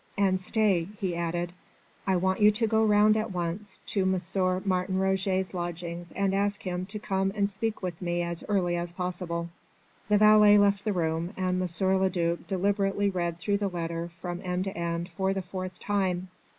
And stay," he added, "I want you to go round at once to M. Martin Roget's lodgings and ask him to come and speak with me as early as possible." The valet left the room, and M. le duc deliberately read through the letter from end to end for the fourth time.